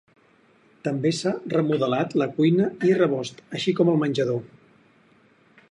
També s’ha remodelat la cuina i rebost, així com el menjador.